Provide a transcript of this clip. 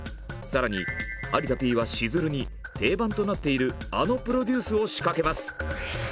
更に有田Ｐはしずるに定番となっているあのプロデュースを仕掛けます。